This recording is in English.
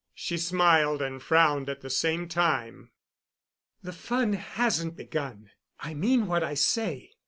She smiled and frowned at the same time. "The fun hasn't begun. I mean what I say.